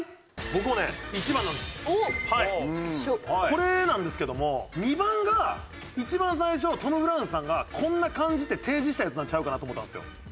これなんですけども２番が一番最初トム・ブラウンさんがこんな感じって提示したやつなんちゃうかなと思ったんですよ。